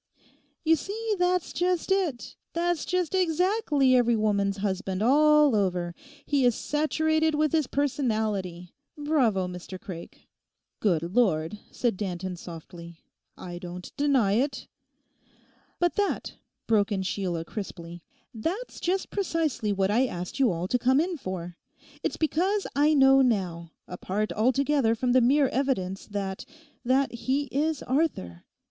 'You see, that's just it! That's just exactly every woman's husband all over; he is saturated with his personality. Bravo, Mr Craik!' 'Good Lord,' said Danton softly. 'I don't deny it!' 'But that,' broke in Sheila crisply—'that's just precisely what I asked you all to come in for. It's because I know now, apart altogether from the mere evidence, that—that he is Arthur.